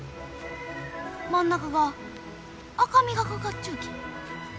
真ん中が赤みがかかっちゅうき。